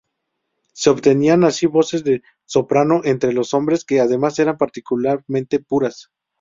Se obtenían así voces de soprano entre los hombres, que además eran particularmente puras.